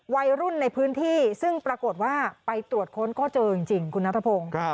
วัยรุ่นในพื้นที่ซึ่งปรากฏว่าไปตรวจค้นก็เจอจริงคุณนัทพงศ์